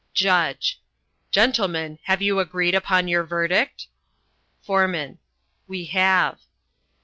Judge. "Gentlemen, have you agreed upon your verdict?" Foreman. "We have."